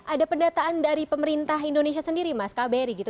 ada pendataan dari pemerintah indonesia sendiri mas kbri gitu